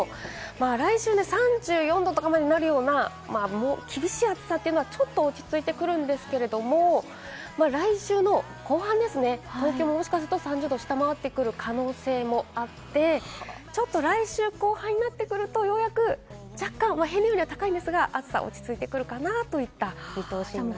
来週、３４度とかになるような厳しい暑さというのは、ちょっと落ち着いてくるんですけれども、来週の後半、東京ももしかすると３０度を下回ってくる可能性もあって、来週後半になってくると、ようやく平年よりは高いんですが、暑さ落ち着いてくるかなといった見通しになっています。